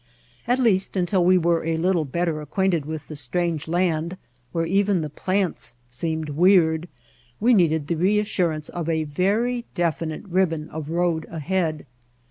At least until we were a little better acquainted with the strange land where even the plants seemed weird, we needed the reassurance of a very definite ribbon of road ahead.